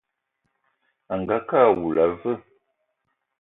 Angakë awula a veu?